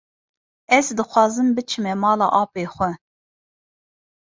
Ez dixwazim biçime mala apê xwe.